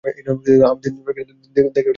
দেখে মন হালকা হয়ে গেলো।